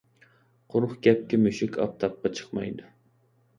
قۇرۇق گەپكە مۈشۈك ئاپتاپقا چىقمايدۇ.